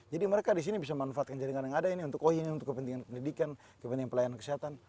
jadi mereka di sini bisa memanfaatkan jaringan yang ada ini untuk kepentingan pendidikan kepentingan pelayanan kesehatan